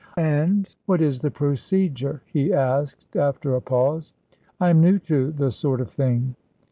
"And ... what is the procedure?" he asked, after a pause. "I am new to the sort of thing."